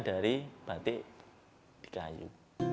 dari batik di kayu